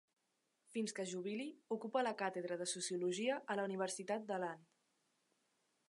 Fins que es jubili, ocupa la càtedra de Sociologia a la Universitat de Lund.